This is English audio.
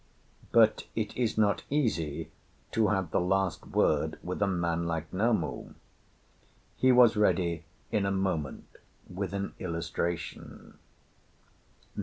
"But it is not easy to have the last word with a man like Namu. He was ready in a moment with an illustration.